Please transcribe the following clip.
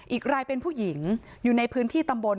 อีกรายเป็นผู้หญิงอยู่ในพื้นที่ตำบล